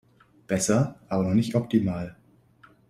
Besser, aber noch nicht optimal.